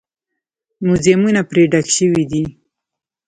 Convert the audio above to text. موزیمونه پرې ډک شوي دي.